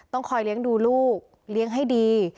ต้องคอยเลี้ยงดูลูกเลี้ยงให้ดี